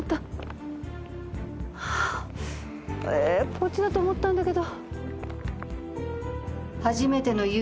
こっちだと思ったんだけど。